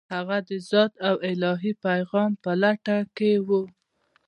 هغه د ذات او الهي پیغام په لټه کې و.